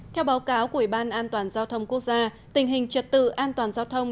theo báo cáo của ủy ban an toàn giao thông quốc gia tình hình trật tự an toàn giao thông